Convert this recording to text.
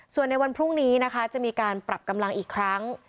ส่วนในวันพรุ่งนี้นะคะจะมีการปรับกำลังอีกครั้ง